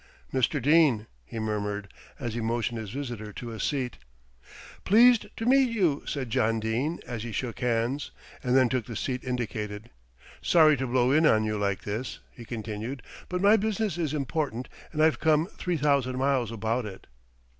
"Mr. Dene," he murmured, as he motioned his visitor to a seat. "Pleased to meet you," said John Dene as he shook hands, and then took the seat indicated. "Sorry to blow in on you like this," he continued, "but my business is important, and I've come three thousand miles about it."